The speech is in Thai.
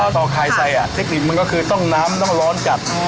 ต่อขายใส่เทคนิคมันก็คือต้องน้ำต้องร้อนจัด